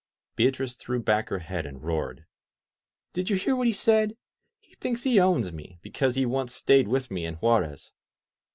Beatrice threw back her head and roared. "Did you hear what he said? He thinks he owns me, be cause he once stayed with me in Juarez!